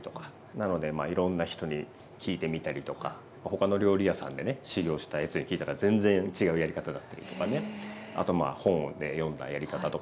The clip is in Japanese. なのでいろんな人に聞いてみたりとか他の料理屋さんでね修業したやつに聞いたら全然違うやり方だったりとかね。あとまあ本で読んだやり方とか。